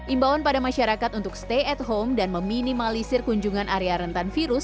imbauan pada masyarakat untuk stay at home dan meminimalisir kunjungan area rentan virus